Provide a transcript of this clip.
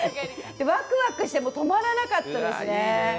ワクワクして止まらなかったですね。